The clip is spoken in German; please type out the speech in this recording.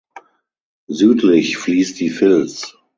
Südlich fließt die Fils.